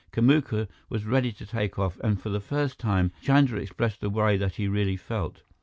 Kamuka was ready to take off, and for the first time, Chandra expressed the worry that he really felt.